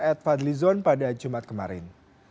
at fadli zon pada jumat kemarin